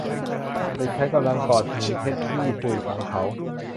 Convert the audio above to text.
เด็กชายกำลังกอดหมีเท็ดดี้ปุยของเขา